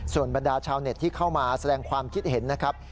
ส่วนบรรดาชาวเน็ตที่เข้ามาแสดงความคิดเห็นนะครับ